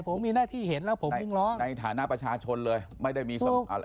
ผมมีหน้าที่เห็นแล้วผมวิ่งร้องในฐานะประชาชนเลยไม่ได้มีอะไร